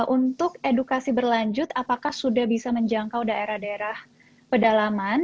untuk edukasi berlanjut apakah sudah bisa menjangkau daerah daerah pedalaman